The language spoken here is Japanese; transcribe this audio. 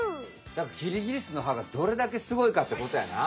キリギリスのはがどれだけすごいかってことやな。